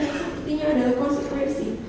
yang sepertinya adalah konsekuensi